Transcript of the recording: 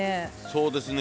そうですね。